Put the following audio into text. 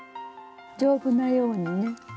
丈夫なようにね。